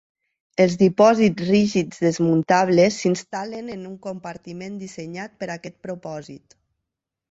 Els dipòsits rígids desmuntables s'instal·len en un compartiment dissenyat per a aquest propòsit.